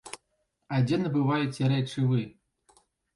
А дзе набываеце рэчы вы?